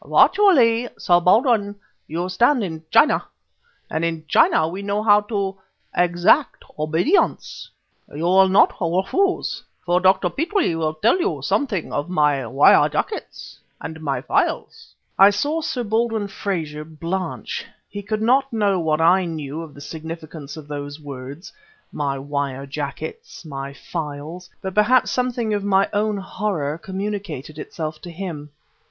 Virtually, Sir Baldwin, you stand in China; and in China we know how to exact obedience. You will not refuse, for Dr. Petrie will tell you something of my wire jackets and my files...." I saw Sir Baldwin Frazer blanch. He could not know what I knew of the significance of those words "my wire jackets, my files" but perhaps something of my own horror communicated itself to him.